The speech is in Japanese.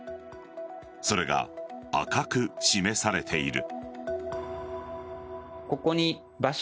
それが赤く示されている。